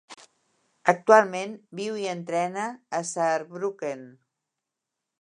Actualment viu i entrena a Saarbrücken.